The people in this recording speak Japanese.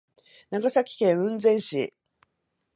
長崎県雲仙市